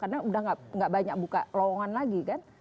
karena sudah tidak banyak buka lowongan lagi kan